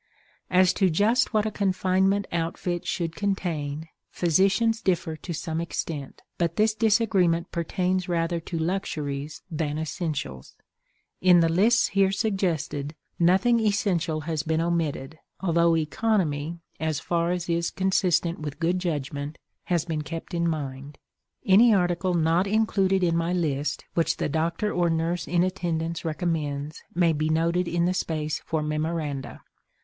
As to just what a confinement outfit should contain physicians differ to some extent; but this disagreement pertains rather to luxuries than essentials. In the lists here suggested nothing essential has been omitted, although economy, as far as is consistent with good judgment, has been kept in mind. Any article not included in my list which the doctor or nurse in attendance recommends may be noted in the space for memoranda.